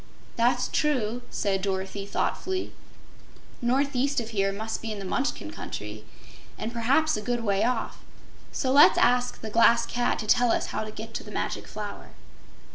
"That's true," said Dorothy, thoughtfully. "Northeast of here must be in the Munchkin Country, and perhaps a good way off, so let's ask the Glass Cat to tell us how to get to the Magic Flower."